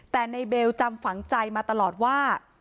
แต่ในเบลจำฝังใจมาตลอดว่า